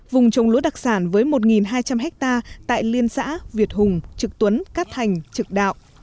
vùng trồng lúa đặc sản với một hai trăm linh ha tại liên xã việt hùng trực tuấn cát thành trực đạo